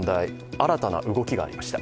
新たな動きがありました。